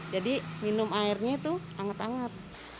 jadi minum airnya tuh hangat hangat